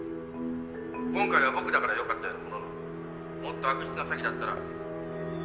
今回は僕だから良かったようなもののもっと悪質な詐欺だったら。